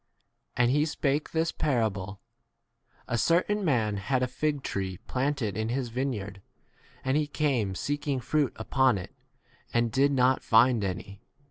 And he spake this parable : A certain [man] had a fig tree planted in his vineyard, and he came seeking fruit upon it and did not find [any]